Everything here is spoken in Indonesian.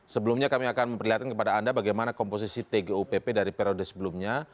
sebelumnya kami akan memperlihatkan kepada anda bagaimana komposisi tgupp dari periode sebelumnya